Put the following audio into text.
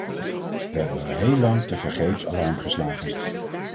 We hebben heel lang tevergeefs alarm geslagen.